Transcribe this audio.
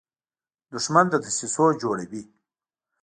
دښمن د دسیسو جوړه وي